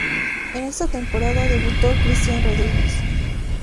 En esta temporada debutó Cristian Rodríguez.